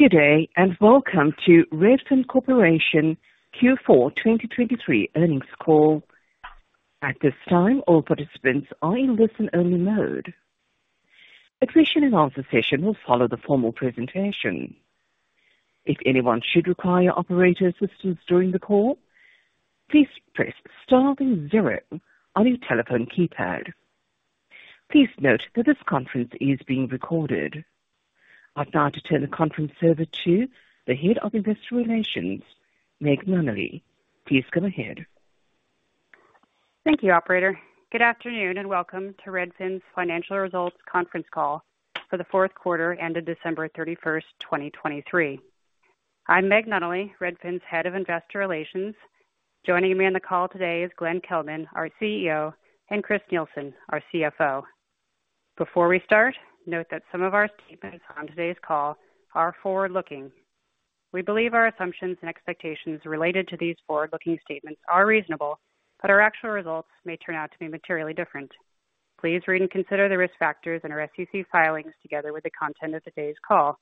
Good day and welcome to Redfin Corporation Q4 2023 earnings call. At this time, all participants are in listen-only mode. Q and A session will follow the formal presentation. If anyone should require operator assistance during the call, please press star, then zero on your telephone keypad. Please note that this conference is being recorded. I'd like to turn the conference over to the Head of Investor Relations, Meg Nunnally. Please go ahead. Thank you, operator. Good afternoon and welcome to Redfin's financial results conference call for the fourth quarter ended December 31st, 2023. I'm Meg Nunnally, Redfin's head of investor relations. Joining me on the call today is Glenn Kelman, our CEO, and Chris Nielsen, our CFO. Before we start, note that some of our statements on today's call are forward-looking. We believe our assumptions and expectations related to these forward-looking statements are reasonable, but our actual results may turn out to be materially different. Please read and consider the risk factors in our SEC filings together with the content of today's call.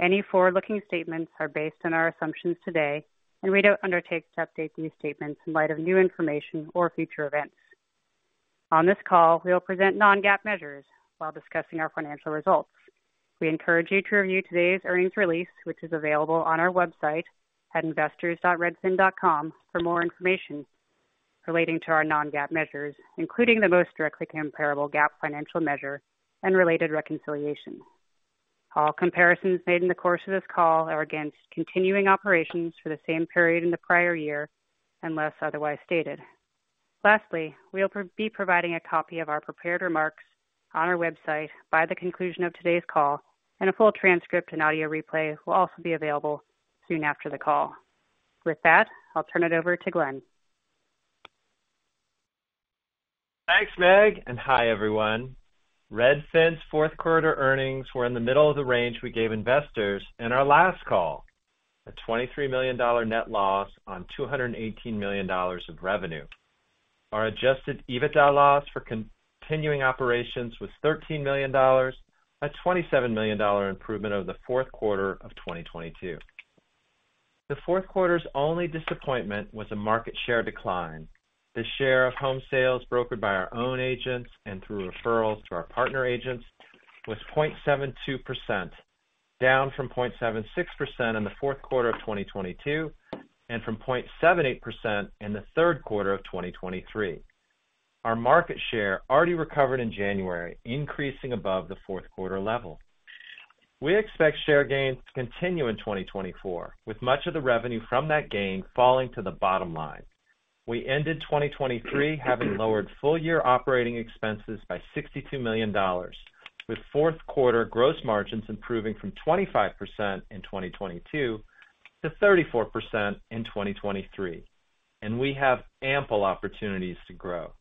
Any forward-looking statements are based on our assumptions today, and we don't undertake to update these statements in light of new information or future events. On this call, we will present non-GAAP measures while discussing our financial results. We encourage you to review today's earnings release, which is available on our website at investors.Redfin.com for more information relating to our non-GAAP measures, including the most directly comparable GAAP financial measure and related reconciliation. All comparisons made in the course of this call are against continuing operations for the same period in the prior year unless otherwise stated. Lastly, we will be providing a copy of our prepared remarks on our website by the conclusion of today's call, and a full transcript and audio replay will also be available soon after the call. With that, I'll turn it over to Glenn. Thanks, Meg, and hi, everyone. Redfin's fourth quarter earnings were in the middle of the range we gave investors in our last call: a $23 million net loss on $218 million of revenue. Our Adjusted EBITDA loss for continuing operations was $13 million, a $27 million improvement over the fourth quarter of 2022. The fourth quarter's only disappointment was a market share decline. The share of home sales brokered by our own agents and through referrals to our partner agents was 0.72%, down from 0.76% in the fourth quarter of 2022 and from 0.78% in the third quarter of 2023. Our market share already recovered in January, increasing above the fourth quarter level. We expect share gains to continue in 2024, with much of the revenue from that gain falling to the bottom line. We ended 2023 having lowered full-year operating expenses by $62 million, with fourth quarter gross margins improving from 25% in 2022 to 34% in 2023. We have ample opportunities to grow.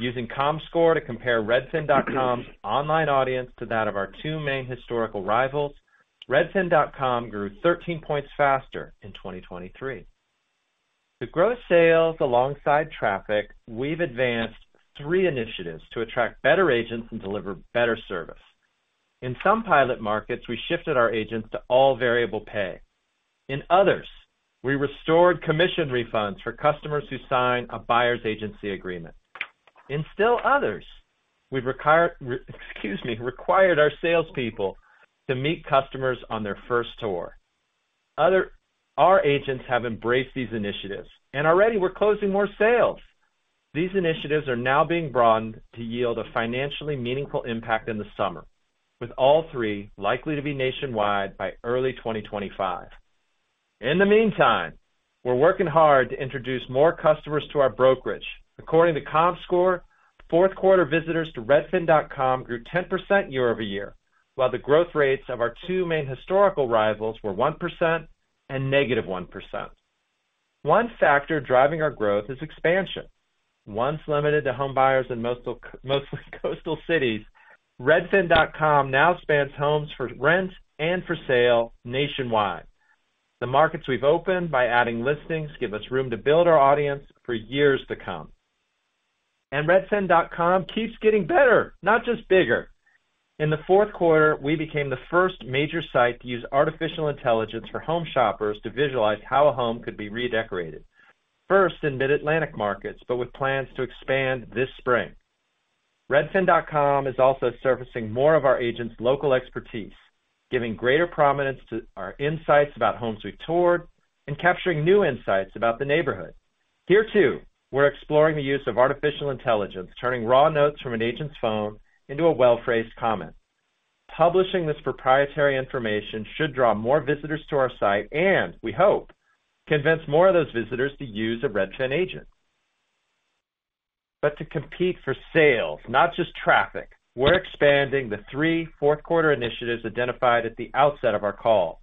Using Comscore to compare Redfin.com's online audience to that of our two main historical rivals, Redfin.com grew 13 points faster in 2023. To grow sales alongside traffic, we've advanced three initiatives to attract better agents and deliver better service. In some pilot markets, we shifted our agents to all-variable pay. In others, we restored commission refunds for customers who sign a buyer's agency agreement. In still others, we've required, excuse me, required our salespeople to meet customers on their first tour. Our agents have embraced these initiatives, and already we're closing more sales. These initiatives are now being broadened to yield a financially meaningful impact in the summer, with all three likely to be nationwide by early 2025. In the meantime, we're working hard to introduce more customers to our brokerage. According to Comscore, fourth quarter visitors to Redfin.com grew 10% year-over-year, while the growth rates of our two main historical rivals were 1% and -1%. One factor driving our growth is expansion. Once limited to homebuyers in mostly coastal cities, Redfin.com now spans homes for Rent and for sale nationwide. The markets we've opened by adding listings give us room to build our audience for years to come. And Redfin.com keeps getting better, not just bigger. In the fourth quarter, we became the first major site to use artificial intelligence for home shoppers to visualize how a home could be redecorated, first in Mid-Atlantic markets but with plans to expand this spring. Redfin.com is also surfacing more of our agents' local expertise, giving greater prominence to our insights about homes we've toured and capturing new insights about the neighborhood. Here too, we're exploring the use of artificial intelligence, turning raw notes from an agent's phone into a well-phrased comment. Publishing this proprietary information should draw more visitors to our site and, we hope, convince more of those visitors to use a Redfin agent. But to compete for sales, not just traffic, we're expanding the three fourth quarter initiatives identified at the outset of our call.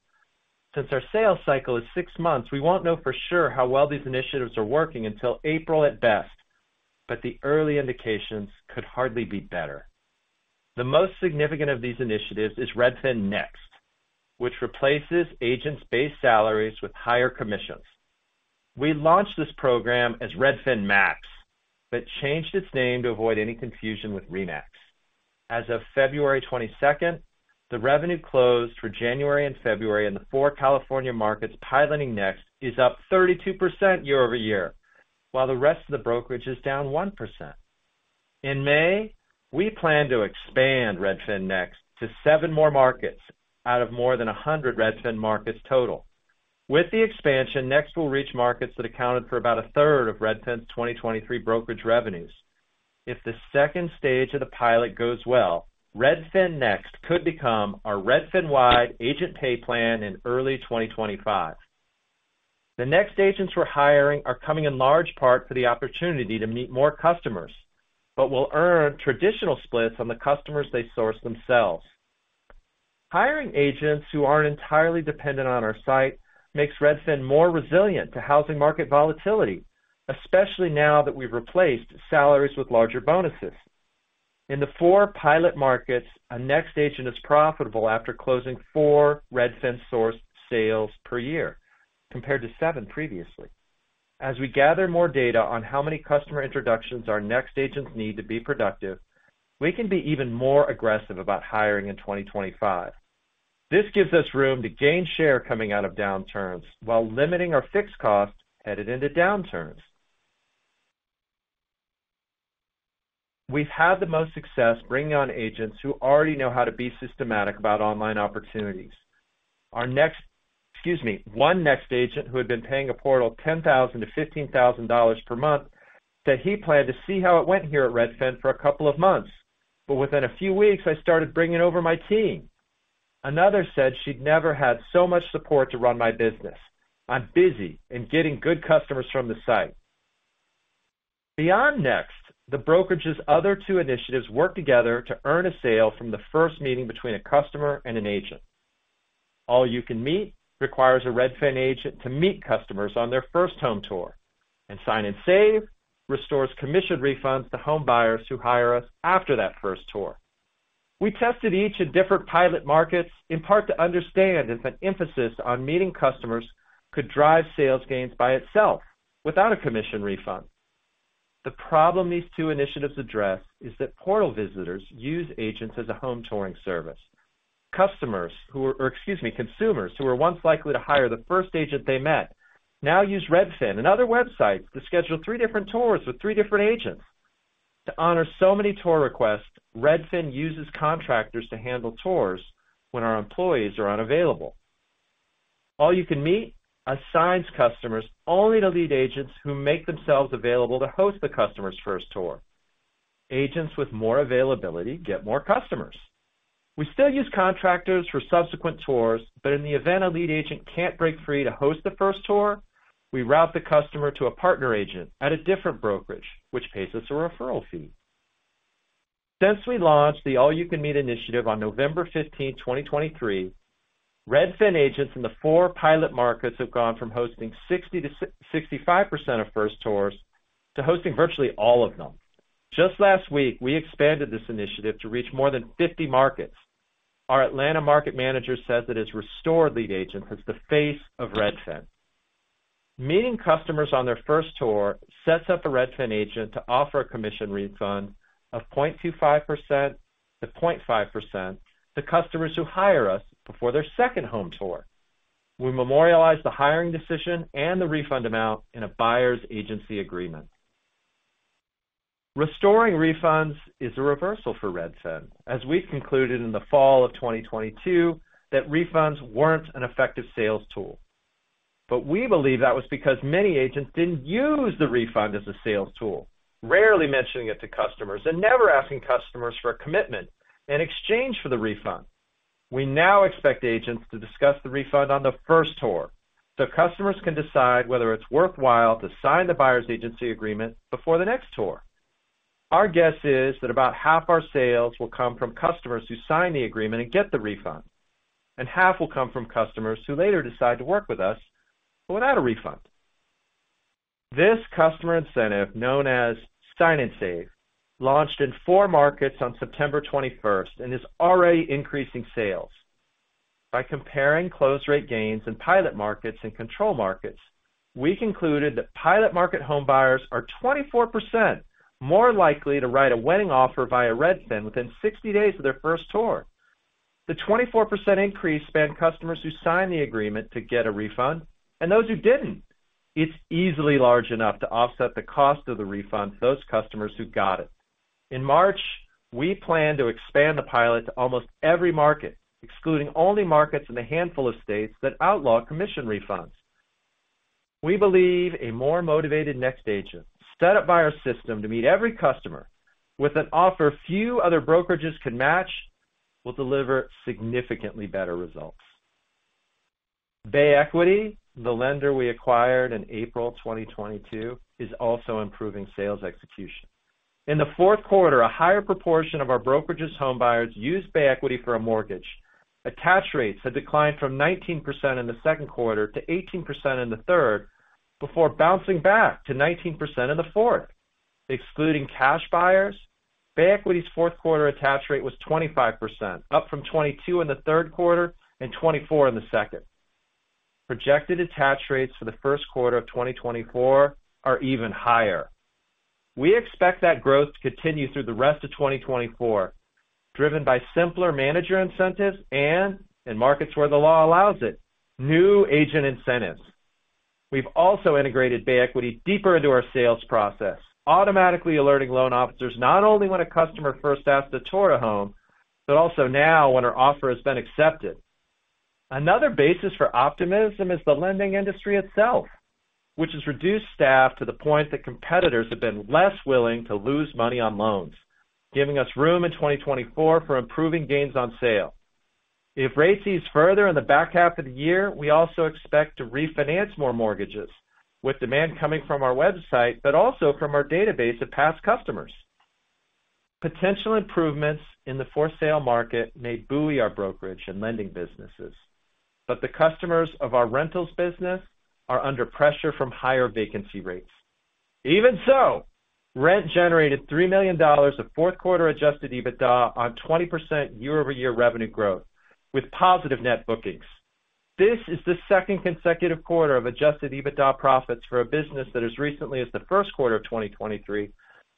Since our sales cycle is six months, we won't know for sure how well these initiatives are working until April at best, but the early indications could hardly be better. The most significant of these initiatives is Redfin Next, which replaces agents' base salaries with higher commissions. We launched this program as Redfin Max but changed its name to avoid any confusion with RE/MAX. As of February 22nd, the revenue closed for January and February in the four California markets piloting Next is up 32% year-over-year, while the rest of the brokerage is down 1%. In May, we plan to expand Redfin Next to seven more markets out of more than 100 Redfin markets total. With the expansion, Next will reach markets that accounted for about a third of Redfin's 2023 brokerage revenues. If the second stage of the pilot goes well, Redfin Next could become our Redfin-wide agent pay plan in early 2025. The Next agents we're hiring are coming in large part for the opportunity to meet more customers but will earn traditional splits on the customers they source themselves. Hiring agents who aren't entirely dependent on our site makes Redfin more resilient to housing market volatility, especially now that we've replaced salaries with larger bonuses. In the four pilot markets, a Next agent is profitable after closing four Redfin-sourced sales per year compared to seven previously. As we gather more data on how many customer introductions our Next agents need to be productive, we can be even more aggressive about hiring in 2025. This gives us room to gain share coming out of downturns while limiting our fixed costs headed into downturns. We've had the most success bringing on agents who already know how to be systematic about online opportunities. Next, excuse me, one Next agent who had been paying a portal $10,000-$15,000 per month said he planned to see how it went here at Redfin for a couple of months, but within a few weeks I started bringing over my team. Another said she'd never had so much support to run my business. I'm busy in getting good customers from the site. Beyond Next, the brokerage's other two initiatives work together to earn a sale from the first meeting between a customer and an agent. All-You-Can-Meet requires a Redfin agent to meet customers on their first home tour, and Sign & Save restores commission refunds to homebuyers who hire us after that first tour. We tested each in different pilot markets in part to understand if an emphasis on meeting customers could drive sales gains by itself without a commission refund. The problem these two initiatives address is that portal visitors use agents as a home touring service. Customers who were, or excuse me, consumers who were once likely to hire the first agent they met now use Redfin and other websites to schedule three different tours with three different agents. To honor so many tour requests, Redfin uses contractors to handle tours when our employees are unavailable. All-You-Can-Meet assigns customers only to lead agents who make themselves available to host the customer's first tour. Agents with more availability get more customers. We still use contractors for subsequent tours, but in the event a lead agent can't break free to host the first tour, we route the customer to a partner agent at a different brokerage, which pays us a referral fee. Since we launched the All-You-Can-Meet initiative on November 15, 2023, Redfin agents in the four pilot markets have gone from hosting 60%-65% of first tours to hosting virtually all of them. Just last week, we expanded this initiative to reach more than 50 markets. Our Atlanta market manager says that his restored lead agent is the face of Redfin. Meeting customers on their first tour sets up a Redfin agent to offer a commission refund of 0.25%-0.5% to customers who hire us before their second home tour. We memorialize the hiring decision and the refund amount in a buyer's agency agreement. Restoring refunds is a reversal for Redfin, as we concluded in the fall of 2022 that refunds weren't an effective sales tool. But we believe that was because many agents didn't use the refund as a sales tool, rarely mentioning it to customers and never asking customers for a commitment in exchange for the refund. We now expect agents to discuss the refund on the first tour so customers can decide whether it's worthwhile to sign the Buyer's agency agreement before the next tour. Our guess is that about half our sales will come from customers who sign the agreement and get the refund, and half will come from customers who later decide to work with us but without a refund. This customer incentive, known as Sign & Save, launched in four markets on September 21st and is already increasing sales. By comparing close rate gains in pilot markets and control markets, we concluded that pilot market homebuyers are 24% more likely to write a winning offer via Redfin within 60 days of their first tour. The 24% increase spanned customers who signed the agreement to get a refund and those who didn't. It's easily large enough to offset the cost of the refund to those customers who got it. In March, we plan to expand the pilot to almost every market, excluding only markets in a handful of states that outlaw commission refunds. We believe a more motivated Next agent, set up by our system to meet every customer with an offer few other brokerages can match, will deliver significantly better results. Bay Equity, the lender we acquired in April 2022, is also improving sales execution. In the fourth quarter, a higher proportion of our brokerage's homebuyers used Bay Equity for a mortgage. Attach rates had declined from 19% in the second quarter to 18% in the third before bouncing back to 19% in the fourth. Excluding cash buyers, Bay Equity's fourth quarter attach rate was 25%, up from 22% in the third quarter and 24% in the second. Projected attach rates for the first quarter of 2024 are even higher. We expect that growth to continue through the rest of 2024, driven by simpler manager incentives and, in markets where the law allows it, new agent incentives. We've also integrated Bay Equity deeper into our sales process, automatically alerting loan officers not only when a customer first asked to tour a home but also now when our offer has been accepted. Another basis for optimism is the lending industry itself, which has reduced staff to the point that competitors have been less willing to lose money on loans, giving us room in 2024 for improving gains on sale. If rates ease further in the back half of the year, we also expect to refinance more mortgages, with demand coming from our website but also from our database of past customers. Potential improvements in the for-sale market may buoy our brokerage and lending businesses, but the customers of our rentals business are under pressure from higher vacancy rates. Even so, Rent generated $3 million of fourth quarter Adjusted EBITDA on 20% year-over-year revenue growth, with positive net bookings. This is the second consecutive quarter of Adjusted EBITDA profits for a business that, as recently as the first quarter of 2023,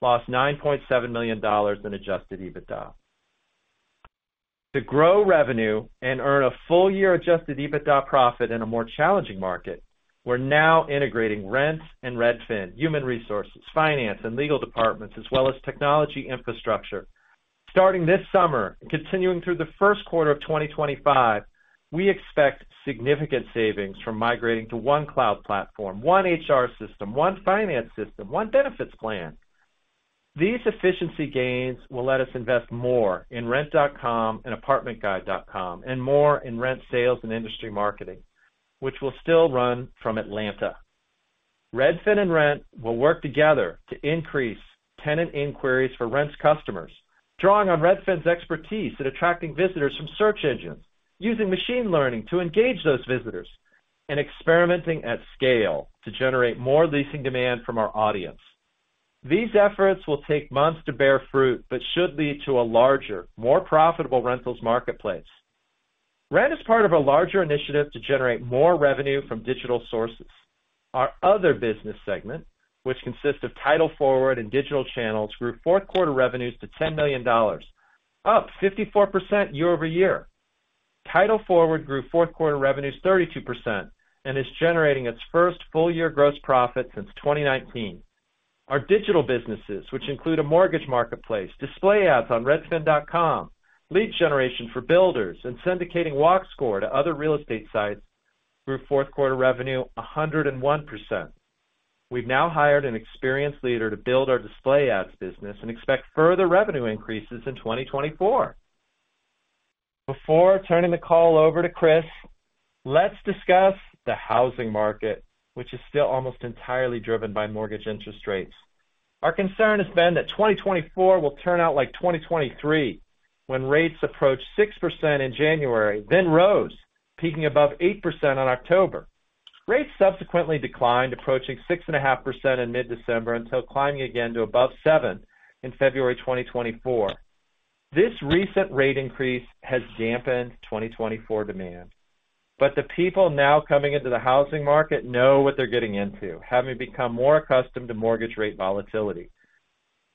lost $9.7 million in Adjusted EBITDA. To grow revenue and earn a full-year Adjusted EBITDA profit in a more challenging market, we're now integrating Rent and Redfin, human resources, finance, and legal departments, as well as technology infrastructure. Starting this summer and continuing through the first quarter of 2025, we expect significant savings from migrating to one cloud platform, one HR system, one finance system, one benefits plan. These efficiency gains will let us invest more in Rent.com and ApartmentGuide.com and more in Rent sales and industry marketing, which will still run from Atlanta. Redfin and Rent will work together to increase tenant inquiries for Rent's customers, drawing on Redfin's expertise at attracting visitors from search engines, using machine learning to engage those visitors, and experimenting at scale to generate more leasing demand from our audience. These efforts will take months to bear fruit but should lead to a larger, more profitable rentals marketplace. Rent is part of a larger initiative to generate more revenue from digital sources. Our other business segment, which consists of Title Forward and digital channels, grew fourth quarter revenues to $10 million, up 54% year-over-year. Title Forward grew fourth quarter revenues 32% and is generating its first full-year gross profit since 2019. Our digital businesses, which include a mortgage marketplace, display ads on redfin.com, lead generation for builders, and syndicating Walk Score to other real estate sites, grew fourth quarter revenue 101%. We've now hired an experienced leader to build our display ads business and expect further revenue increases in 2024. Before turning the call over to Chris, let's discuss the housing market, which is still almost entirely driven by mortgage interest rates. Our concern has been that 2024 will turn out like 2023, when rates approached 6% in January, then rose, peaking above 8% in October. Rates subsequently declined, approaching 6.5% in mid-December until climbing again to above 7% in February 2024. This recent rate increase has dampened 2024 demand. But the people now coming into the housing market know what they're getting into, having become more accustomed to mortgage rate volatility.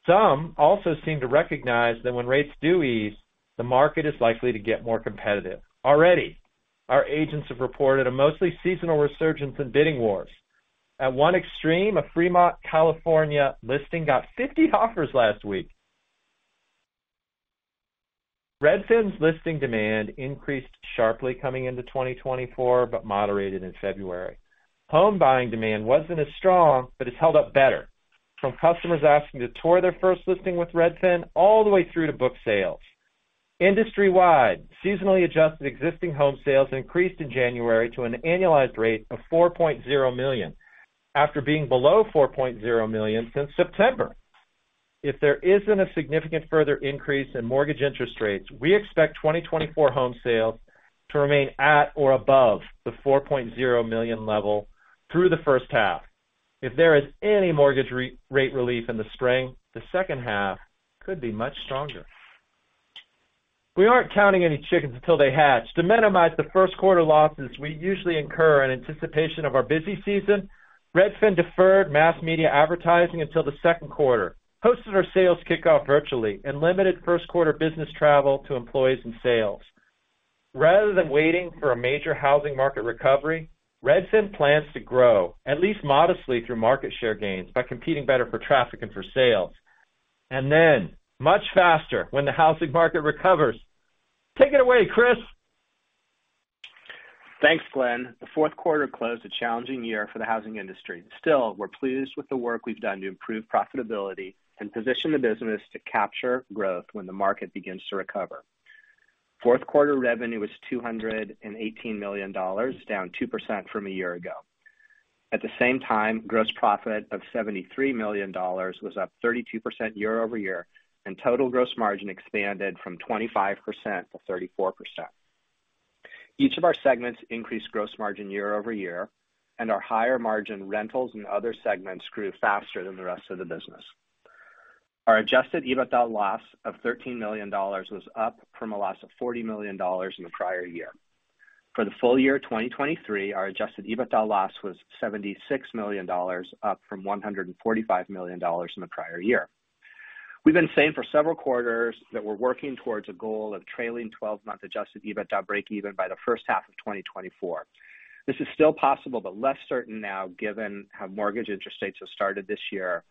Some also seem to recognize that when rates do ease, the market is likely to get more competitive. Already, our agents have reported a mostly seasonal resurgence in bidding wars. At one extreme, a Fremont, California listing got 50 offers last week. Redfin's listing demand increased sharply coming into 2024 but moderated in February. Homebuying demand wasn't as strong but has held up better, from customers asking to tour their first listing with Redfin all the way through to book sales. Industry-wide, seasonally adjusted existing home sales increased in January to an annualized rate of 4.0 million, after being below 4.0 million since September. If there isn't a significant further increase in mortgage interest rates, we expect 2024 home sales to remain at or above the 4.0 million level through the first half. If there is any mortgage rate relief in the spring, the second half could be much stronger. We aren't counting any chickens until they hatch. To minimize the first quarter losses we usually incur in anticipation of our busy season, Redfin deferred mass media advertising until the second quarter, hosted our sales kickoff virtually, and limited first quarter business travel to employees and sales. Rather than waiting for a major housing market recovery, Redfin plans to grow, at least modestly, through market share gains by competing better for traffic and for sales. And then, much faster, when the housing market recovers. Take it away, Chris. Thanks, Glenn. The fourth quarter closed a challenging year for the housing industry. Still, we're pleased with the work we've done to improve profitability and position the business to capture growth when the market begins to recover. Fourth quarter revenue was $218 million, down 2% from a year ago. At the same time, gross profit of $73 million was up 32% year-over-year, and total gross margin expanded from 25% to 34%. Each of our segments increased gross margin year-over-year, and our higher margin rentals and other segments grew faster than the rest of the business. Our Adjusted EBITDA loss of $13 million was up from a loss of $40 million in the prior year. For the full year 2023, our Adjusted EBITDA loss was $76 million, up from $145 million in the prior year. We've been saying for several quarters that we're working towards a goal of trailing 12-month Adjusted EBITDA break-even by the first half of 2024. This is still possible but less certain now given how mortgage interest rates have started this year,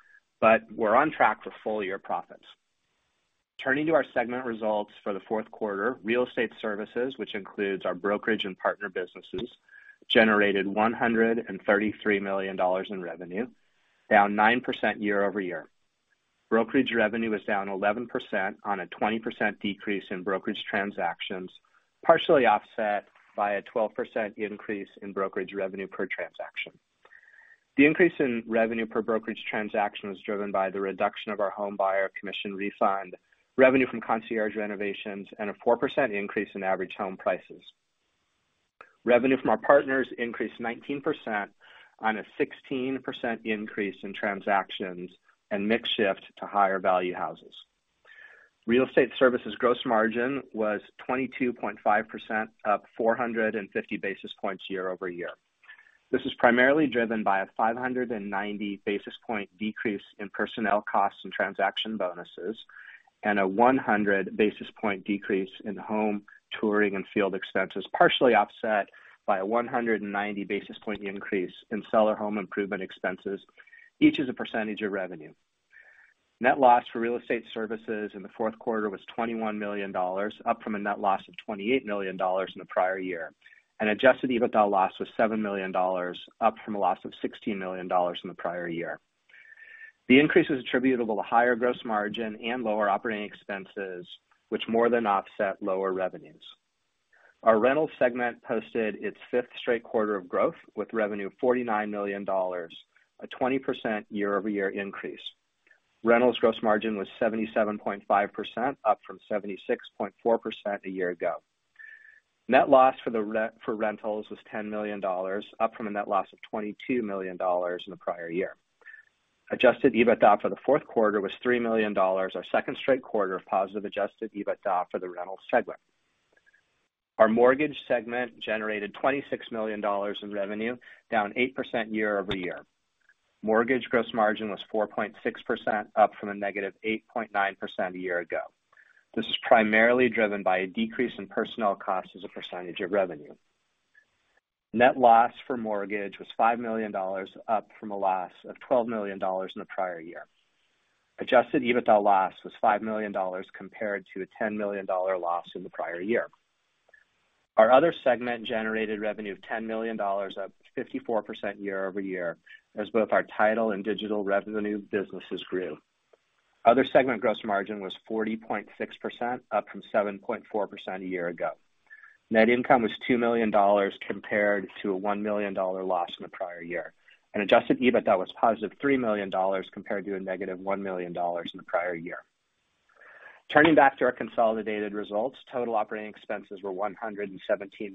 but we're on track for full-year profits. Turning to our segment results for the fourth quarter, real estate services, which includes our brokerage and partner businesses, generated $133 million in revenue, down 9% year-over-year. Brokerage revenue is down 11% on a 20% decrease in brokerage transactions, partially offset by a 12% increase in brokerage revenue per transaction. The increase in revenue per brokerage transaction was driven by the reduction of our homebuyer commission refund, revenue from concierge renovations, and a 4% increase in average home prices. Revenue from our partners increased 19% on a 16% increase in transactions and mix shift to higher value houses. Real estate services gross margin was 22.5%, up 450 basis points year-over-year. This is primarily driven by a 590 basis point decrease in personnel costs and transaction bonuses, and a 100 basis point decrease in home touring and field expenses, partially offset by a 190 basis point increase in seller home improvement expenses, each as a percentage of revenue. Net loss for real estate services in the fourth quarter was $21 million, up from a net loss of $28 million in the prior year, and Adjusted EBITDA loss was $7 million, up from a loss of $16 million in the prior year. The increase was attributable to higher gross margin and lower operating expenses, which more than offset lower revenues. Our rentals segment posted its fifth straight quarter of growth with revenue of $49 million, a 20% year-over-year increase. Rentals gross margin was 77.5%, up from 76.4% a year ago. Net loss for rentals was $10 million, up from a net loss of $22 million in the prior year. Adjusted EBITDA for the fourth quarter was $3 million, our second straight quarter of positive Adjusted EBITDA for the rentals segment. Our mortgage segment generated $26 million in revenue, down 8% year-over-year. Mortgage gross margin was 4.6%, up from -8.9% a year ago. This is primarily driven by a decrease in personnel costs as a percentage of revenue. Net loss for mortgage was $5 million, up from a loss of $12 million in the prior year. Adjusted EBITDA loss was $5 million compared to a $10 million loss in the prior year. Our other segment generated revenue of $10 million, up 54% year-over-year as both our title and digital revenue businesses grew. Other segment gross margin was 40.6%, up from 7.4% a year ago. Net income was $2 million compared to a $1 million loss in the prior year, and Adjusted EBITDA was positive $3 million compared to a negative $1 million in the prior year. Turning back to our consolidated results, total operating expenses were $117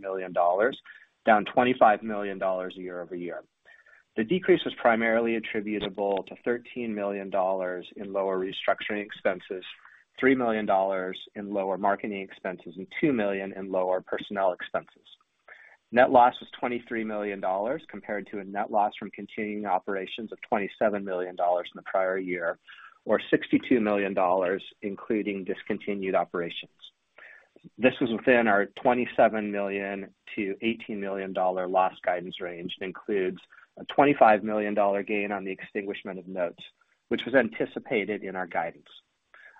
million, down $25 million year-over-year. The decrease was primarily attributable to $13 million in lower restructuring expenses, $3 million in lower marketing expenses, and $2 million in lower personnel expenses. Net loss was $23 million compared to a net loss from continuing operations of $27 million in the prior year, or $62 million including discontinued operations. This was within our $27 million-$18 million loss guidance range that includes a $25 million gain on the extinguishment of notes, which was anticipated in our guidance.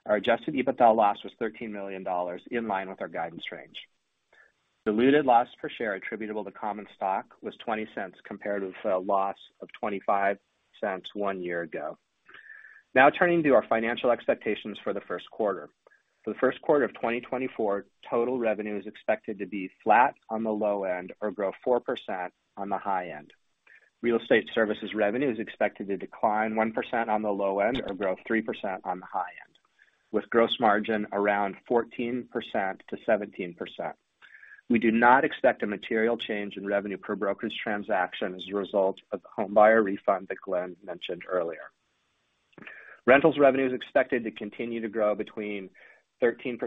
Our Adjusted EBITDA loss was $13 million, in line with our guidance range. Diluted loss per share attributable to common stock was $0.20 compared with a loss of $0.25 one year ago. Now turning to our financial expectations for the first quarter. For the first quarter of 2024, total revenue is expected to be flat on the low end or grow 4% on the high end. Real estate services revenue is expected to decline 1% on the low end or grow 3% on the high end, with gross margin around 14%-17%. We do not expect a material change in revenue per brokerage transaction as a result of the homebuyer refund that Glenn mentioned earlier. Rentals revenue is expected to continue to grow between 13%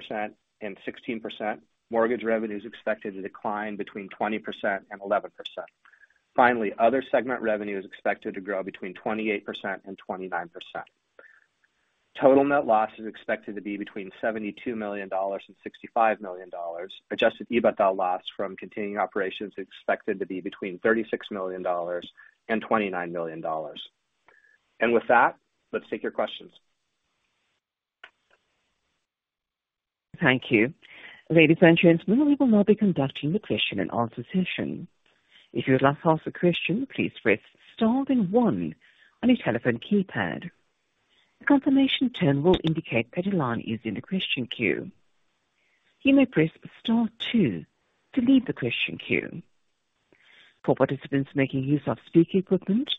and 16%. Mortgage revenue is expected to decline between 20% and 11%. Finally, other segment revenue is expected to grow between 28% and 29%. Total net loss is expected to be between $72 million and $65 million. Adjusted EBITDA loss from continuing operations is expected to be between $36 million and $29 million. And with that, let's take your questions. Thank you. Ladies and gentlemen, we will now be conducting the question and answer session. If you would like to ask a question, please press star one on your telephone keypad. The confirmation tone will indicate that a line is in the question queue. You may press star two to leave the question queue. For participants making use of speaker equipment,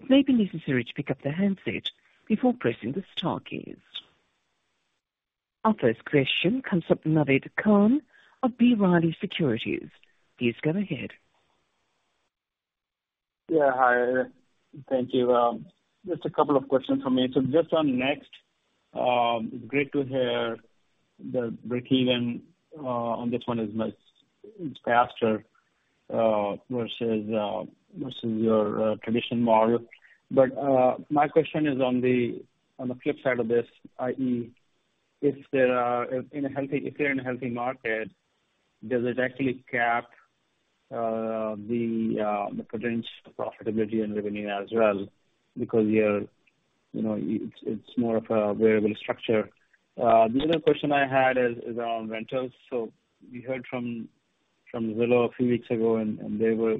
it may be necessary to pick up the handset before pressing the star keys. Our first question comes from Naved Khan of B. Riley Securities. Please go ahead. Yeah, hi. Thank you. Just a couple of questions for me. So just on next, it's great to hear the break-even on this one is faster versus your traditional model. But my question is on the flip side of this, i.e., if they're in a healthy market, does it actually cap the potential profitability and revenue as well because it's more of a variable structure? The other question I had is on rentals. So we heard from Zillow a few weeks ago, and they were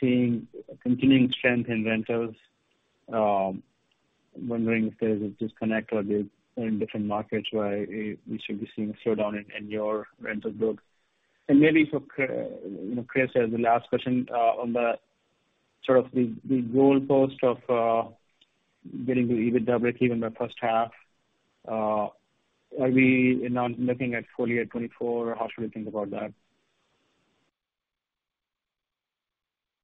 seeing continuing strength in rentals, wondering if there's a disconnect or if they're in different markets where we should be seeing a slowdown in your rental growth. And maybe for Chris, as the last question, on the sort of the goalpost of getting to EBITDA break-even by first half, are we now looking at fully at 2024, or how should we think about that?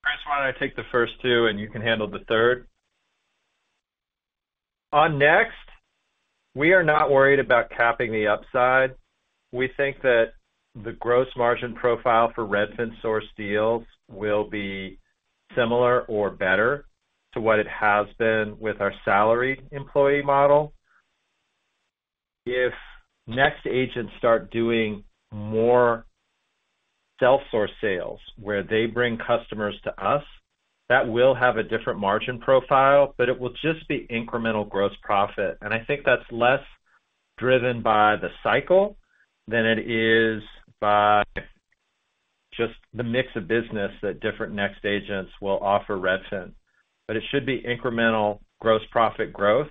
Chris, why don't I take the first two, and you can handle the third? On Next, we are not worried about capping the upside. We think that the gross margin profile for Redfin Source deals will be similar or better to what it has been with our salary employee model. If Next agents start doing more self-source sales where they bring customers to us, that will have a different margin profile, but it will just be incremental gross profit. And I think that's less driven by the cycle than it is by just the mix of business that different Next agents will offer Redfin. But it should be incremental gross profit growth.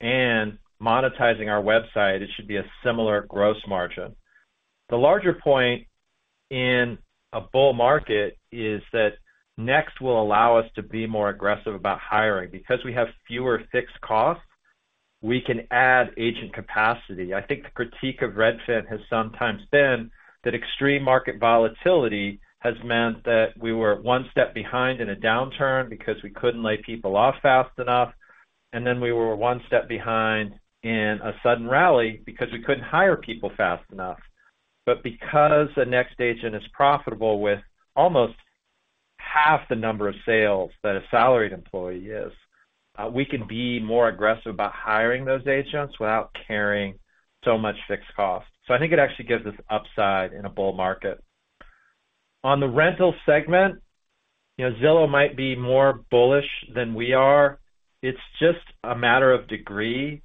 And monetizing our website, it should be a similar gross margin. The larger point in a bull market is that Next will allow us to be more aggressive about hiring. Because we have fewer fixed costs, we can add agent capacity. I think the critique of Redfin has sometimes been that extreme market volatility has meant that we were one step behind in a downturn because we couldn't lay people off fast enough, and then we were one step behind in a sudden rally because we couldn't hire people fast enough. But because a Next agent is profitable with almost half the number of sales that a salaried employee is, we can be more aggressive about hiring those agents without carrying so much fixed cost. So I think it actually gives us upside in a bull market. On the rentals segment, Zillow might be more bullish than we are. It's just a matter of degree.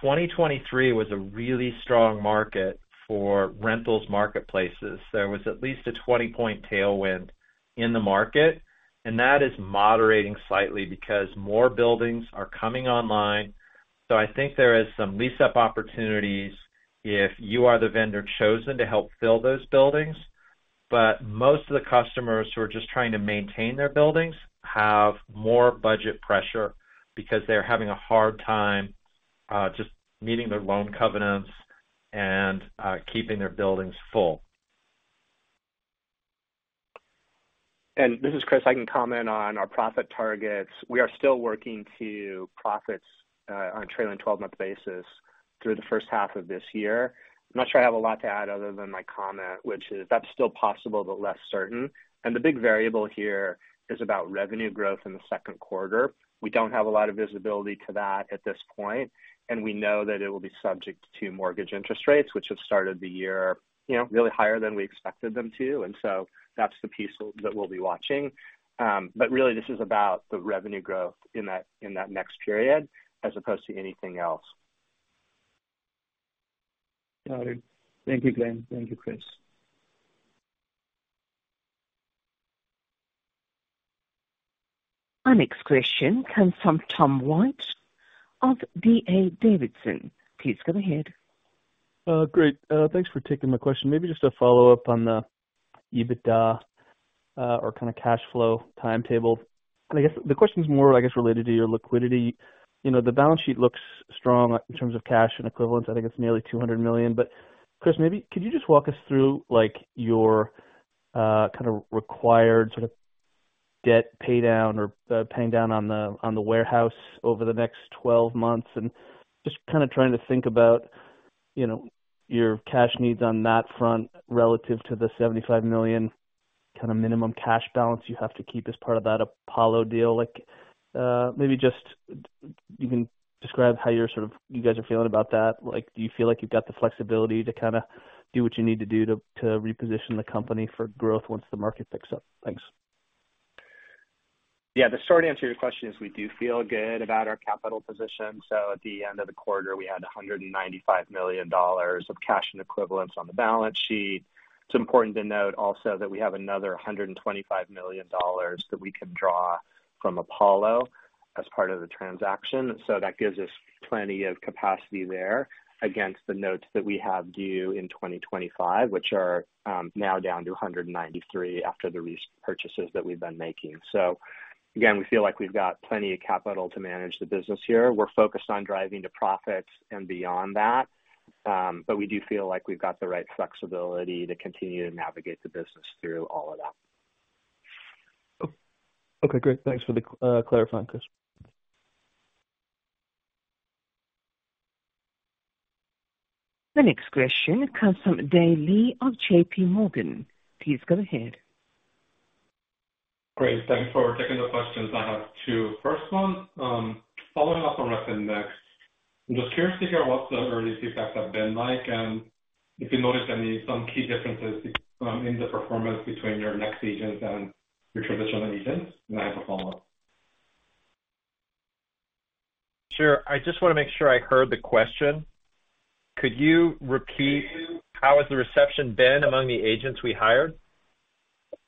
2023 was a really strong market for rentals marketplaces. There was at least a 20-point tailwind in the market, and that is moderating slightly because more buildings are coming online. I think there are some lease-up opportunities if you are the vendor chosen to help fill those buildings. But most of the customers who are just trying to maintain their buildings have more budget pressure because they're having a hard time just meeting their loan covenants and keeping their buildings full. This is Chris. I can comment on our profit targets. We are still working to profit on a trailing 12-month basis through the first half of this year. I'm not sure I have a lot to add other than my comment, which is that's still possible but less certain. The big variable here is about revenue growth in the second quarter. We don't have a lot of visibility to that at this point, and we know that it will be subject to mortgage interest rates, which have started the year really higher than we expected them to. And so that's the piece that we'll be watching. But really, this is about the revenue growth in that next period as opposed to anything else. Got it. Thank you, Glenn. Thank you, Chris. Our next question comes from Tom White of D.A. Davidson. Please go ahead. Great. Thanks for taking my question. Maybe just a follow-up on the EBITDA or kind of cash flow timetable. And I guess the question's more, I guess, related to your liquidity. The balance sheet looks strong in terms of cash and equivalents. I think it's nearly $200 million. But Chris, maybe could you just walk us through your kind of required sort of debt paydown or paying down on the warehouse over the next 12 months and just kind of trying to think about your cash needs on that front relative to the $75 million kind of minimum cash balance you have to keep as part of that Apollo deal? Maybe just you can describe how you guys are feeling about that. Do you feel like you've got the flexibility to kind of do what you need to do to reposition the company for growth once the market picks up? Thanks. Yeah. The short answer to your question is we do feel good about our capital position. So at the end of the quarter, we had $195 million of cash and equivalents on the balance sheet. It's important to note also that we have another $125 million that we can draw from Apollo as part of the transaction. So that gives us plenty of capacity there against the notes that we have due in 2025, which are now down to $193 million after the repurchases that we've been making. So again, we feel like we've got plenty of capital to manage the business here. We're focused on driving to profits and beyond that, but we do feel like we've got the right flexibility to continue to navigate the business through all of that. Okay. Great. Thanks for the clarifying, Chris. The next question comes from Dae Lee of JPMorgan. Please go ahead. Great. Thanks for taking the questions. I have two. First one, following up on Redfin Next, I'm just curious to hear what the earnings feedbacks have been like and if you noticed any key differences in the performance between your Next agents and your traditional agents. And I have a follow-up. Sure. I just want to make sure I heard the question. Could you repeat how has the reception been among the agents we hired?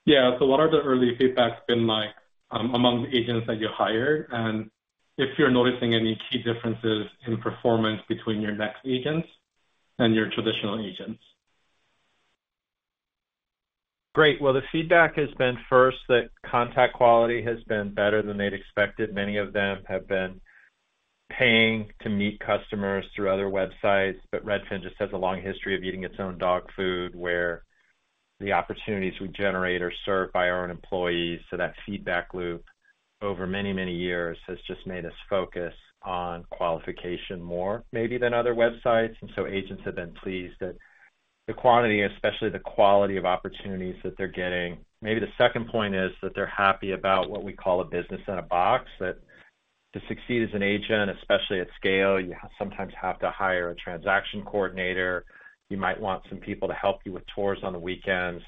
Yeah. So what are the early feedbacks been like among the agents that you hired and if you're noticing any key differences in performance between your Next agents and your traditional agents? Great. Well, the feedback has been first that contact quality has been better than they'd expected. Many of them have been paying to meet customers through other websites. But Redfin just has a long history of eating its own dog food where the opportunities we generate are served by our own employees. So that feedback loop over many, many years has just made us focus on qualification more maybe than other websites. And so agents have been pleased that the quantity, especially the quality of opportunities that they're getting. Maybe the second point is that they're happy about what we call a business in a box. That, to succeed as an agent, especially at scale, you sometimes have to hire a transaction coordinator. You might want some people to help you with tours on the weekends.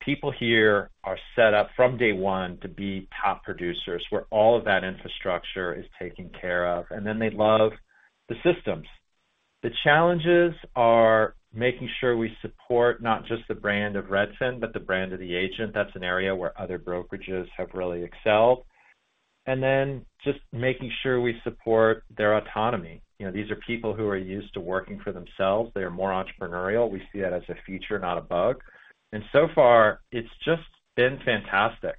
People here are set up from day one to be top producers where all of that infrastructure is taken care of. And then they love the systems. The challenges are making sure we support not just the brand of Redfin but the brand of the agent. That's an area where other brokerages have really excelled. And then just making sure we support their autonomy. These are people who are used to working for themselves. They are more entrepreneurial. We see that as a feature, not a bug. So far, it's just been fantastic.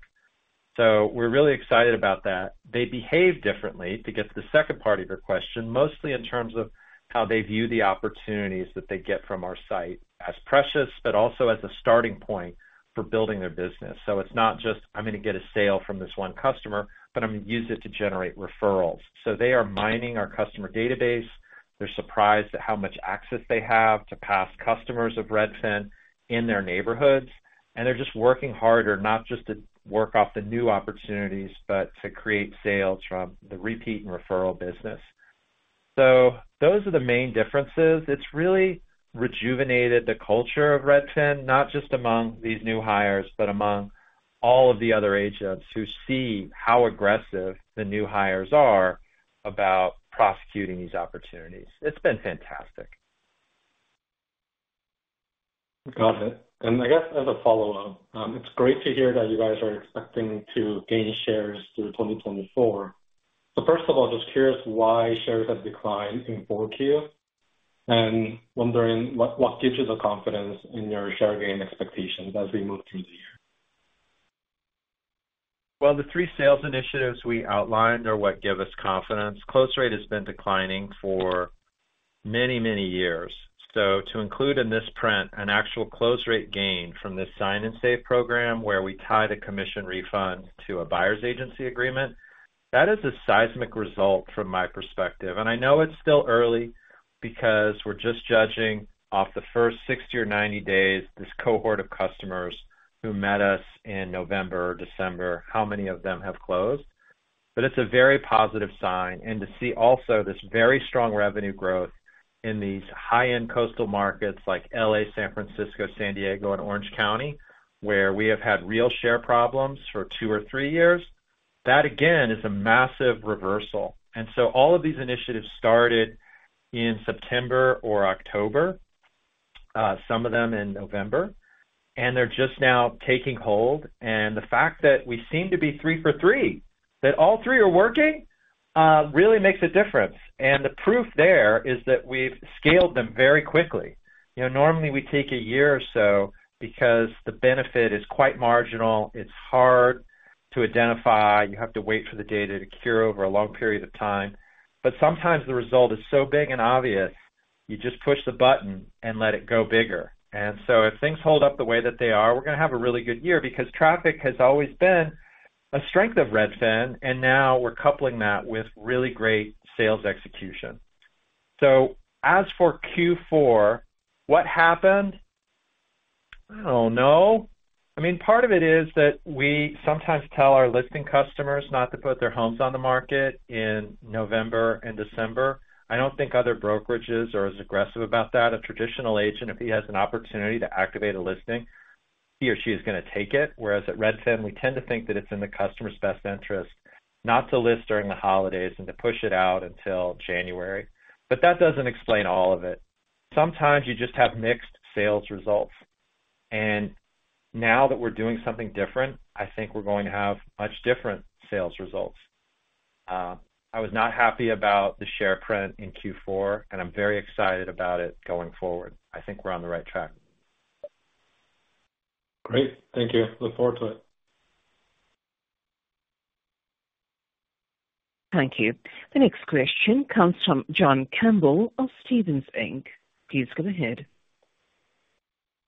We're really excited about that. They behave differently. To get to the second part of your question, mostly in terms of how they view the opportunities that they get from our site as precious but also as a starting point for building their business. It's not just, "I'm going to get a sale from this one customer, but I'm going to use it to generate referrals." They are mining our customer database. They're surprised at how much access they have to past customers of Redfin in their neighborhoods. They're just working harder, not just to work off the new opportunities but to create sales from the repeat and referral business. Those are the main differences. It's really rejuvenated the culture of Redfin, not just among these new hires but among all of the other agents who see how aggressive the new hires are about prosecuting these opportunities. It's been fantastic. Got it. I guess as a follow-up, it's great to hear that you guys are expecting to gain shares through 2024. So first of all, just curious why shares have declined in fourth quarter and wondering what gives you the confidence in your share gain expectations as we move through the year? Well, the three sales initiatives we outlined are what give us confidence. Close rate has been declining for many, many years. To include in this print an actual close rate gain from this Sign & Save program where we tie the commission refund to a buyer's agency agreement, that is a seismic result from my perspective. I know it's still early because we're just judging off the first 60 or 90 days, this cohort of customers who met us in November or December, how many of them have closed. It's a very positive sign. To see also this very strong revenue growth in these high-end coastal markets like L.A., San Francisco, San Diego, and Orange County where we have had real share problems for two or three years, that, again, is a massive reversal. So all of these initiatives started in September or October, some of them in November, and they're just now taking hold. The fact that we seem to be three for three, that all three are working, really makes a difference. The proof there is that we've scaled them very quickly. Normally, we take a year or so because the benefit is quite marginal. It's hard to identify. You have to wait for the data to cure over a long period of time. But sometimes the result is so big and obvious, you just push the button and let it go bigger. And so if things hold up the way that they are, we're going to have a really good year because traffic has always been a strength of Redfin, and now we're coupling that with really great sales execution. So as for Q4, what happened? I don't know. I mean, part of it is that we sometimes tell our listing customers not to put their homes on the market in November and December. I don't think other brokerages are as aggressive about that. A traditional agent, if he has an opportunity to activate a listing, he or she is going to take it. Whereas at Redfin, we tend to think that it's in the customer's best interest not to list during the holidays and to push it out until January. But that doesn't explain all of it. Sometimes you just have mixed sales results. Now that we're doing something different, I think we're going to have much different sales results. I was not happy about the share print in Q4, and I'm very excited about it going forward. I think we're on the right track. Great. Thank you. Look forward to it. Thank you. The next question comes from John Campbell of Stephens, Inc. Please go ahead.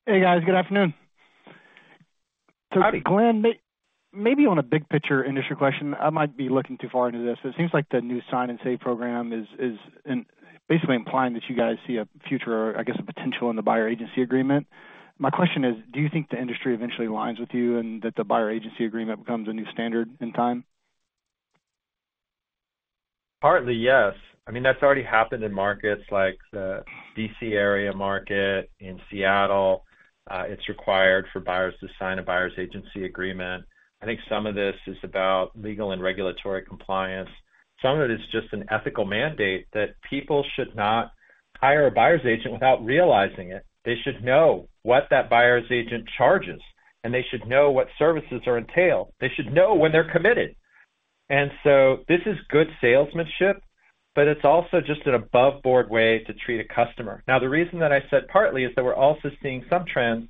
Hey, guys. Good afternoon. So Glenn, maybe on a big-picture industry question, I might be looking too far into this. It seems like the new Sign & Save program is basically implying that you guys see a future or, I guess, a potential in the buyer's agency agreement. My question is, do you think the industry eventually aligns with you and that the buyer's agency agreement becomes a new standard in time? Partly, yes. I mean, that's already happened in markets like the D.C. area market in Seattle. It's required for buyers to sign a buyer's agency agreement. I think some of this is about legal and regulatory compliance. Some of it is just an ethical mandate that people should not hire a buyer's agent without realizing it. They should know what that buyer's agent charges, and they should know what services are entailed. They should know when they're committed. And so this is good salesmanship, but it's also just an above-board way to treat a customer. Now, the reason that I said partly is that we're also seeing some trends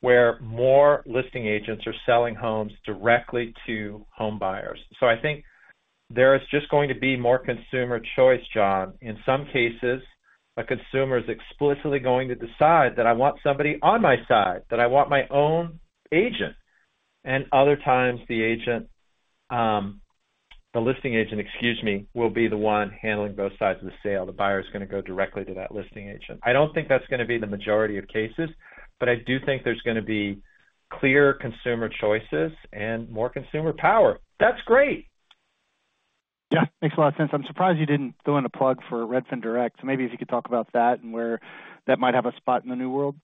where more listing agents are selling homes directly to homebuyers. So I think there is just going to be more consumer choice, John. In some cases, a consumer is explicitly going to decide that, "I want somebody on my side. That I want my own agent." And other times, the listing agent, excuse me, will be the one handling both sides of the sale. The buyer is going to go directly to that listing agent. I don't think that's going to be the majority of cases, but I do think there's going to be clear consumer choices and more consumer power. That's great. Yeah. Makes a lot of sense. I'm surprised you didn't throw in a plug for Redfin Direct. Maybe if you could talk about that and where that might have a spot in the new world?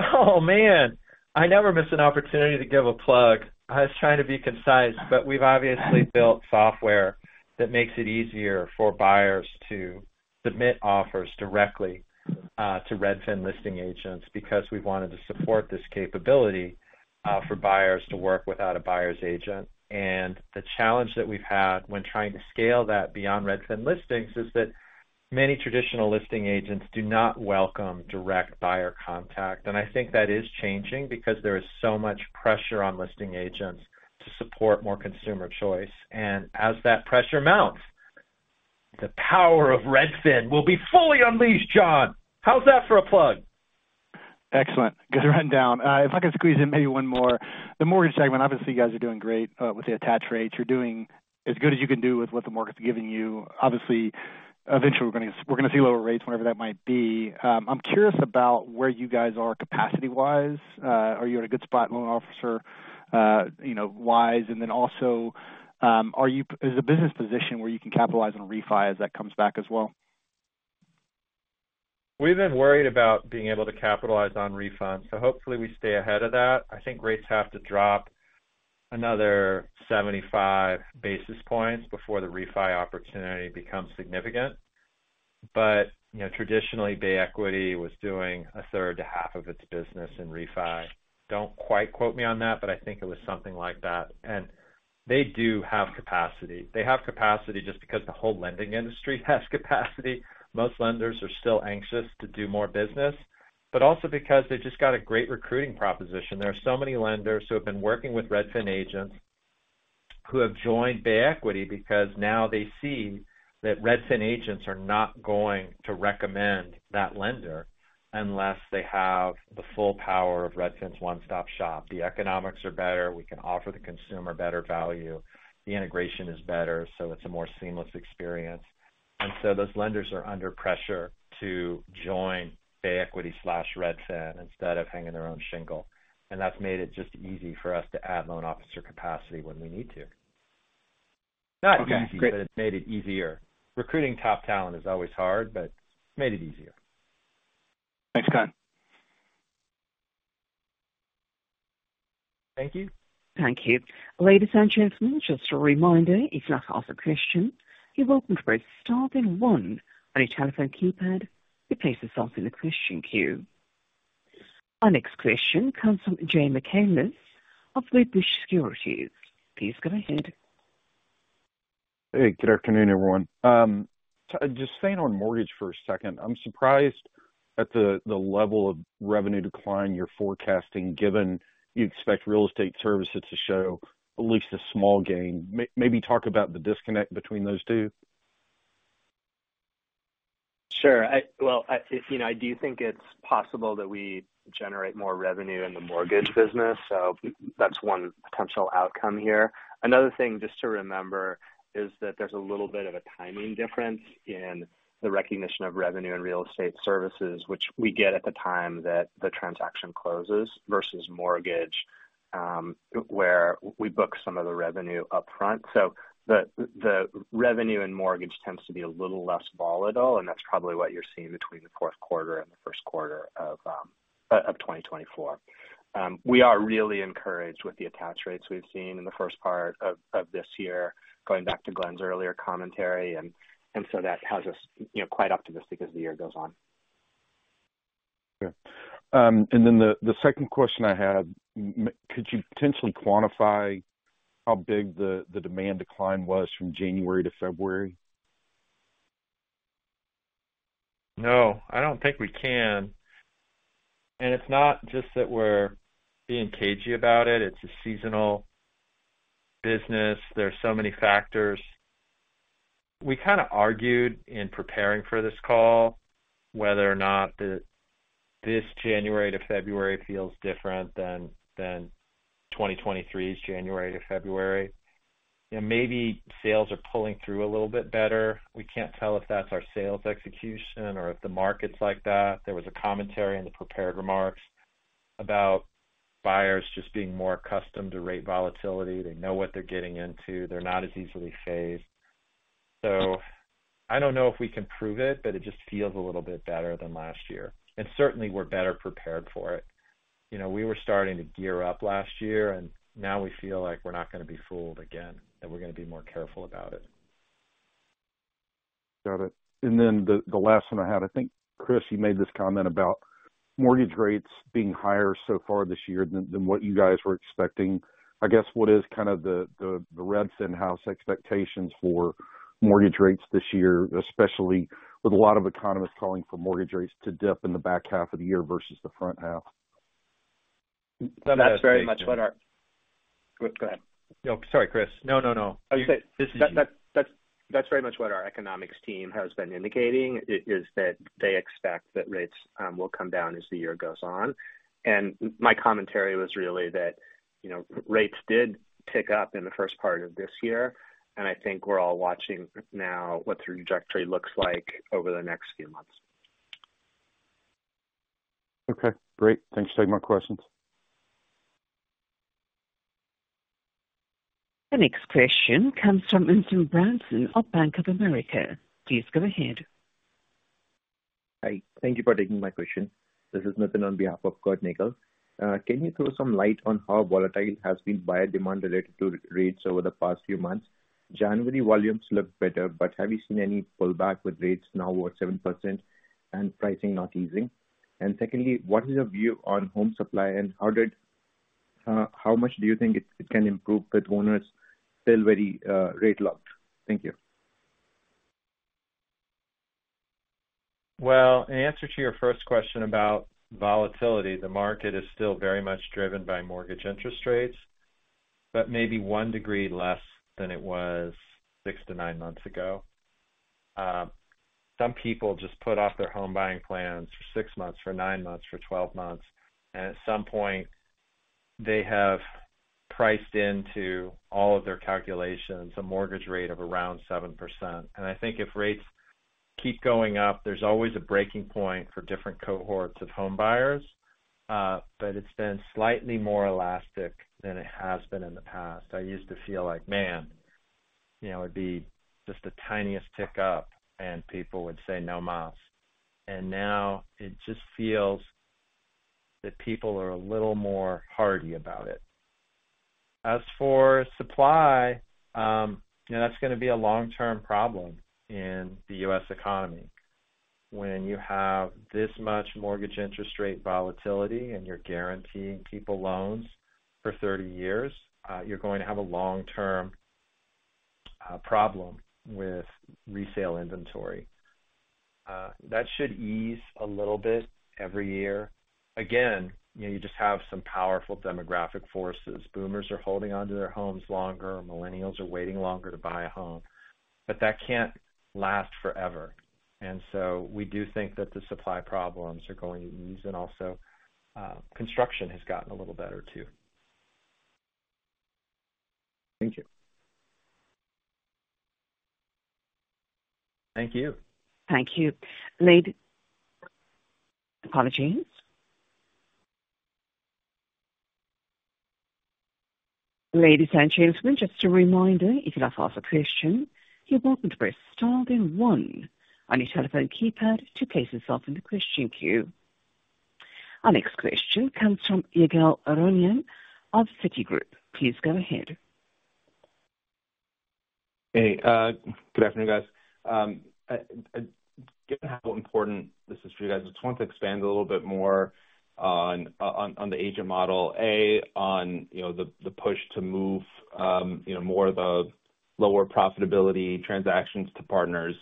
Oh, man. I never miss an opportunity to give a plug. I was trying to be concise, but we've obviously built software that makes it easier for buyers to submit offers directly to Redfin listing agents because we've wanted to support this capability for buyers to work without a buyer's agent. The challenge that we've had when trying to scale that beyond Redfin listings is that many traditional listing agents do not welcome direct buyer contact. I think that is changing because there is so much pressure on listing agents to support more consumer choice. As that pressure mounts, the power of Redfin will be fully unleashed, John. How's that for a plug? Excellent. Good rundown. If I could squeeze in maybe one more. The mortgage segment, obviously, you guys are doing great with the attach rates. You're doing as good as you can do with what the market's giving you. Obviously, eventually, we're going to see lower rates whenever that might be. I'm curious about where you guys are capacity-wise. Are you at a good spot loan officer-wise? And then also, is the business position where you can capitalize on a refi as that comes back as well? We've been worried about being able to capitalize on refunds. So hopefully, we stay ahead of that. I think rates have to drop another 75 basis points before the refi opportunity becomes significant. But traditionally, Bay Equity was doing a third to half of its business in Redfin. Don't quite quote me on that, but I think it was something like that. And they do have capacity. They have capacity just because the whole lending industry has capacity. Most lenders are still anxious to do more business, but also because they've just got a great recruiting proposition. There are so many lenders who have been working with Redfin agents who have joined Bay Equity because now they see that Redfin agents are not going to recommend that lender unless they have the full power of Redfin's one-stop shop. The economics are better. We can offer the consumer better value. The integration is better, so it's a more seamless experience. And so those lenders are under pressure to join Bay Equity/Redfin instead of hanging their own shingle. And that's made it just easy for us to add loan officer capacity when we need to. Not easy, but it's made it easier. Recruiting top talent is always hard, but it's made it easier. Thanks, John. Thank you. Thank you. Ladies and gentlemen, just a reminder, if you have to ask a question, you're welcome to press star one on your telephone keypad to place yourself in the question queue. Our next question comes from Jay McCanless of Ladenburg Thalmann. Please go ahead. Hey. Good afternoon, everyone. Just staying on mortgage for a second. I'm surprised at the level of revenue decline you're forecasting given you expect real estate services to show at least a small gain. Maybe talk about the disconnect between those two. Sure. Well, I do think it's possible that we generate more revenue in the mortgage business. So that's one potential outcome here. Another thing just to remember is that there's a little bit of a timing difference in the recognition of revenue in real estate services, which we get at the time that the transaction closes versus mortgage where we book some of the revenue upfront. So the revenue in mortgage tends to be a little less volatile, and that's probably what you're seeing between the fourth quarter and the first quarter of 2024. We are really encouraged with the attach rates we've seen in the first part of this year, going back to Glenn's earlier commentary. And so that has us quite optimistic as the year goes on. Sure. And then the second question I had, could you potentially quantify how big the demand decline was from January to February? No. I don't think we can. And it's not just that we're being cagey about it. It's a seasonal business. There are so many factors. We kind of argued in preparing for this call whether or not this January to February feels different than 2023's January to February. Maybe sales are pulling through a little bit better. We can't tell if that's our sales execution or if the market's like that. There was a commentary in the prepared remarks about buyers just being more accustomed to rate volatility. They know what they're getting into. They're not as easily fazed. So I don't know if we can prove it, but it just feels a little bit better than last year. And certainly, we're better prepared for it. We were starting to gear up last year, and now we feel like we're not going to be fooled again, that we're going to be more careful about it. Got it. And then the last one I had, I think Chris, you made this comment about mortgage rates being higher so far this year than what you guys were expecting. I guess what is kind of the Redfin's expectations for mortgage rates this year, especially with a lot of economists calling for mortgage rates to dip in the back half of the year versus the front half? That's very much what our economics team has been indicating is that they expect that rates will come down as the year goes on. And my commentary was really that rates did pick up in the first part of this year. And I think we're all watching now what the trajectory looks like over the next few months. Okay. Great. Thanks for taking my questions. The next question comes from Curt Nagle, of Bank of America. Please go ahead. Hi. Thank you for taking my question. This is Nathan on behalf of Curt Nagle. Can you throw some light on how volatile has been buyer demand related to rates over the past few months? January volumes look better, but have you seen any pullback with rates now over 7% and pricing not easing? And secondly, what is your view on home supply, and how much do you think it can improve with owners still very rate-locked? Thank you. Well, in answer to your first question about volatility, the market is still very much driven by mortgage interest rates, but maybe 1 degree less than it was six to nine months ago. Some people just put off their home buying plans for six months, for nine months, for 12 months. And at some point, they have priced into all of their calculations a mortgage rate of around 7%. And I think if rates keep going up, there's always a breaking point for different cohorts of homebuyers, but it's been slightly more elastic than it has been in the past. I used to feel like, "Man, it would be just the tiniest tick up, and people would say no mas." And now it just feels that people are a little more hardy about it. As for supply, that's going to be a long-term problem in the U.S. economy. When you have this much mortgage interest rate volatility and you're guaranteeing people loans for 30 years, you're going to have a long-term problem with resale inventory. That should ease a little bit every year. Again, you just have some powerful demographic forces. Boomers are holding onto their homes longer. Millennials are waiting longer to buy a home. But that can't last forever. And so we do think that the supply problems are going to ease, and also construction has gotten a little better too. Thank you. Thank you. Thank you. Apologies. Ladies and gentlemen, just a reminder, if you have to ask a question, you're welcome to press star one on your telephone keypad to place yourself in the question queue. Our next question comes from Ygal Arounian of Citigroup. Please go ahead. Hey. Good afternoon, guys. Given how important this is for you guys, I just want to expand a little bit more on the agent model, A, on the push to move more of the lower profitability transactions to partners,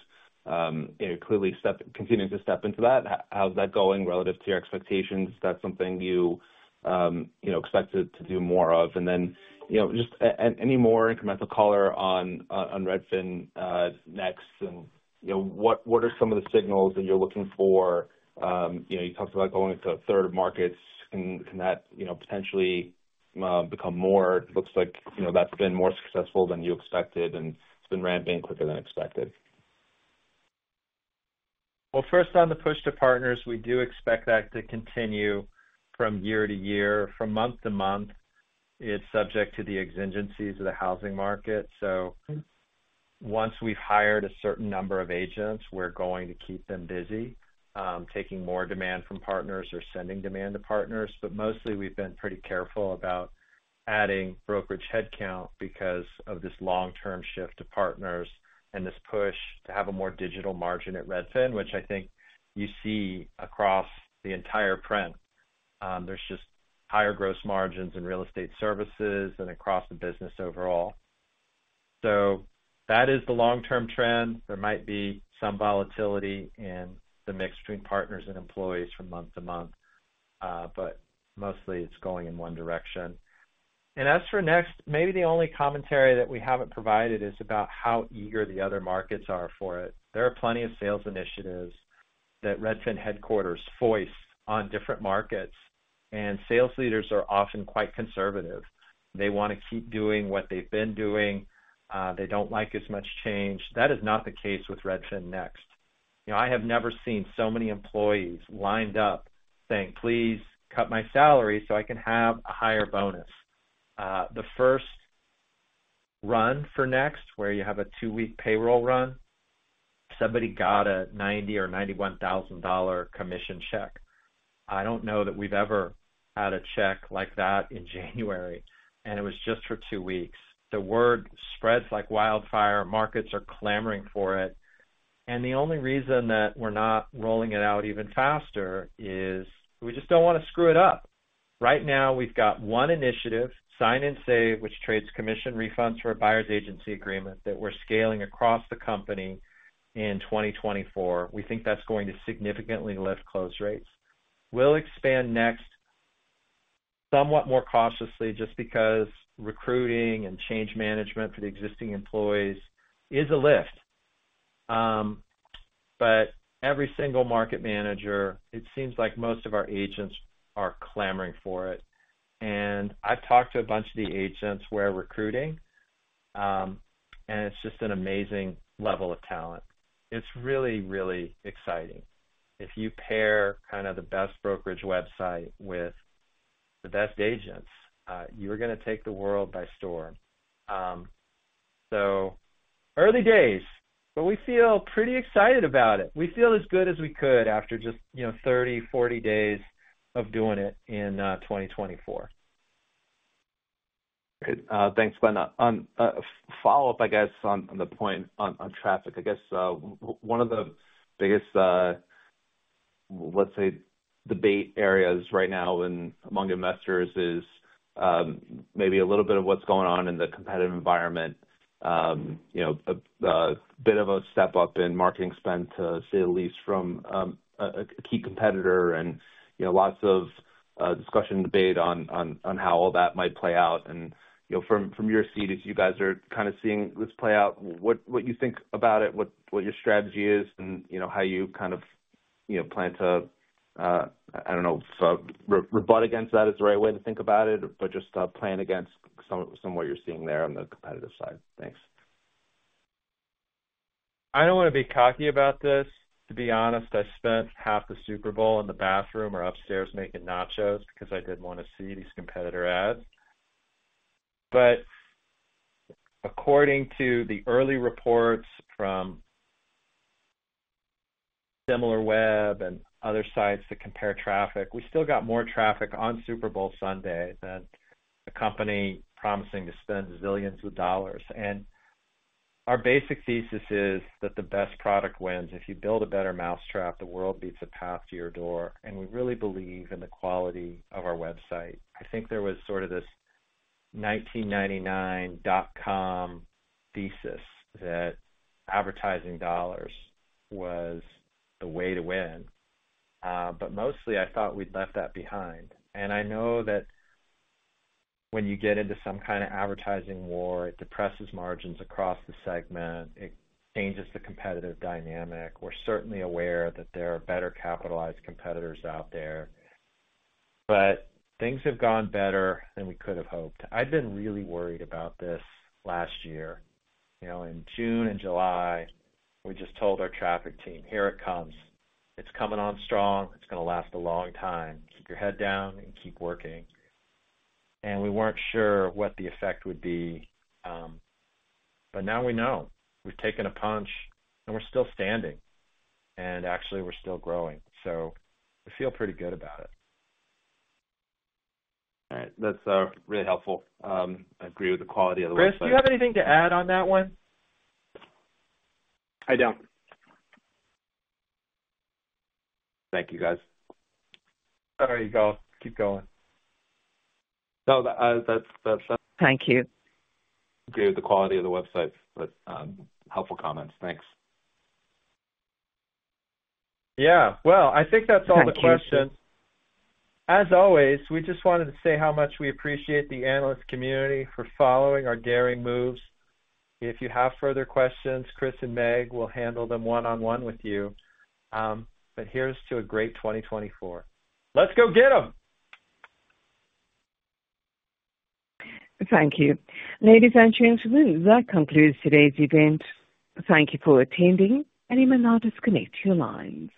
clearly continuing to step into that. How's that going relative to your expectations? Is that something you expect to do more of? And then just any more incremental color on Redfin Next and what are some of the signals that you're looking for? You talked about going into a third of markets. Can that potentially become more? It looks like that's been more successful than you expected, and it's been ramping quicker than expected. Well, first on the push to partners, we do expect that to continue from year to year. From month to month, it's subject to the exigencies of the housing market. So once we've hired a certain number of agents, we're going to keep them busy, taking more demand from partners or sending demand to partners. But mostly, we've been pretty careful about adding brokerage headcount because of this long-term shift to partners and this push to have a more digital margin at Redfin, which I think you see across the entire print. There's just higher gross margins in real estate services and across the business overall. So that is the long-term trend. There might be some volatility in the mix between partners and employees from month to month, but mostly, it's going in one direction. And as for Next, maybe the only commentary that we haven't provided is about how eager the other markets are for it. There are plenty of sales initiatives that Redfin headquarters focuses on different markets, and sales leaders are often quite conservative. They want to keep doing what they've been doing. They don't like as much change. That is not the case with Redfin Next. I have never seen so many employees lined up saying, "Please cut my salary so I can have a higher bonus." The first run for Next, where you have a two-week payroll run, somebody got a $90,000 or $91,000 commission check. I don't know that we've ever had a check like that in January, and it was just for two weeks. The word spreads like wildfire. Markets are clamoring for it. And the only reason that we're not rolling it out even faster is we just don't want to screw it up. Right now, we've got one initiative, Sign & Save, which trades commission refunds for a buyer's agency agreement that we're scaling across the company in 2024. We think that's going to significantly lift close rates. We'll expand Next somewhat more cautiously just because recruiting and change management for the existing employees is a lift. But every single market manager, it seems like most of our agents are clamoring for it. And I've talked to a bunch of the agents we're recruiting, and it's just an amazing level of talent. It's really, really exciting. If you pair kind of the best brokerage website with the best agents, you're going to take the world by storm. So early days, but we feel pretty excited about it. We feel as good as we could after just 30, 40 days of doing it in 2024. Great. Thanks, Glenn. On follow-up, I guess, on the point on traffic, I guess one of the biggest, let's say, debate areas right now among investors is maybe a little bit of what's going on in the competitive environment, a bit of a step up in marketing spend to say the least from a key competitor, and lots of discussion and debate on how all that might play out. And from your seat, if you guys are kind of seeing this play out, what you think about it, what your strategy is, and how you kind of plan to, I don't know, rebut against that is the right way to think about it, but just plan against some of what you're seeing there on the competitive side. Thanks. I don't want to be cocky about this. To be honest, I spent half the Super Bowl in the bathroom or upstairs making nachos because I didn't want to see these competitor ads. But according to the early reports from Similarweb and other sites that compare traffic, we still got more traffic on Super Bowl Sunday than a company promising to spend zillions of dollars. Our basic thesis is that the best product wins. If you build a better mousetrap, the world beats a path to your door. And we really believe in the quality of our website. I think there was sort of this 1999 dot-com thesis that advertising dollars was the way to win. But mostly, I thought we'd left that behind. And I know that when you get into some kind of advertising war, it depresses margins across the segment. It changes the competitive dynamic. We're certainly aware that there are better-capitalized competitors out there. But things have gone better than we could have hoped. I'd been really worried about this last year. In June and July, we just told our traffic team, "Here it comes. It's coming on strong. It's going to last a long time. Keep your head down and keep working." And we weren't sure what the effect would be. But now we know. We've taken a punch, and we're still standing. And actually, we're still growing. So we feel pretty good about it. All right. That's really helpful. I agree with the quality of the website. Chris, do you have anything to add on that one? I don't. Thank you, guys. All right, Ygal. Keep going. No, that's. Thank you. Good. The quality of the website, but helpful comments. Thanks. Yeah. Well, I think that's all the questions. As always, we just wanted to say how much we appreciate the analyst community for following our daring moves. If you have further questions, Chris and Meg will handle them one-on-one with you. But here's to a great 2024. Let's go get them. Thank you. Ladies and gentlemen, that concludes today's event. Thank you for attending, and you may now disconnect your lines.